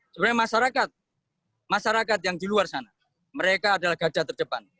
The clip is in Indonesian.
sebenarnya masyarakat masyarakat yang di luar sana mereka adalah gajah terdepan